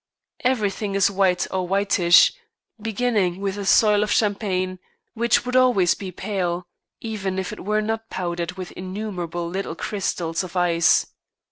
Everything is white or whitish, beginning with the soil of Champagne, which would always be pale even if it were not powdered with innumerable little crystals of ice.